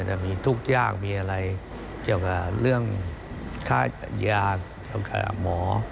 จะมีทุกอย่างมีอะไรเกี่ยวกับเรื่องค่ายาเกี่ยวกับหมอ